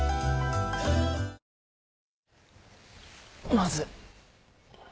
まず。